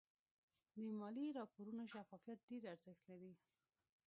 د مالي راپورونو شفافیت ډېر ارزښت لري.